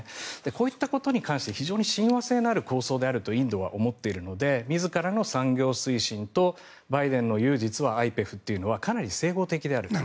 こういったことに関して親和性のある構想だとインドは思っているので自らの産業精神とバイデンの言う実はＩＰＥＦというのはかなり整合的であると。